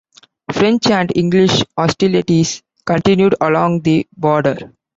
French and English hostilities continued along the border.